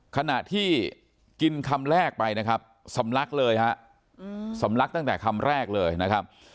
ขณะที่กินคำแรกไปนะครับสำลักเลยฮะสำลักตั้งแต่คำแรกเลยนะครับ